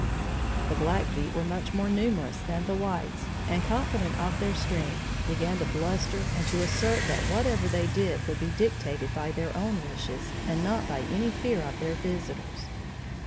The Blackfeet were much more numerous than the whites, and confident of their strength, began to bluster and to assert that whatever they did would be dictated by their own wishes and not by any fear of their visitors.